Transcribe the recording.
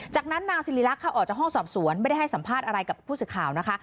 จากนั้นนางสิริรักษ์ค่ะออกจากห้องสอบสวนไม่ได้ให้สัมภาษณ์อะไรกับผู้สื่อข่าวนะคะ